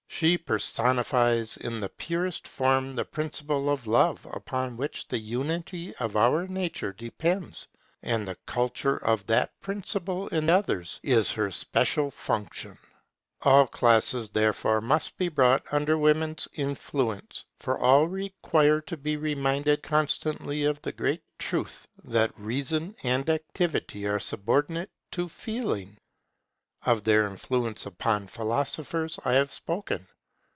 She personifies in the purest form the principle of Love upon which the unity of our nature depends; and the culture of that principle in others is her special function. [Women's influence over the working classes and their teachers] All classes, therefore, must be brought under women's influence; for all require to be reminded constantly of the great truth that Reason and Activity are subordinate to Feeling. Of their influence upon philosophers I have spoken.